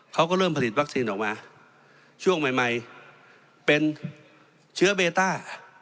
เขาก็เริ่มผลิตวัคซีนออกมาช่วงใหม่ใหม่เป็นเชื้อเบต้า